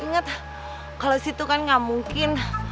ingat kalau situ kan gak mungkin